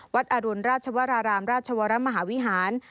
อรุณราชวรารามราชวรมหาวิหาร